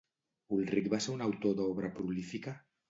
Ulrich va ser un autor d'obra prolífica?